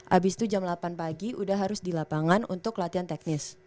abis itu jam delapan pagi udah harus di lapangan untuk latihan teknis